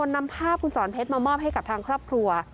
นำภาพคุณสอนเพชรมามอบให้กับทางครอบครัว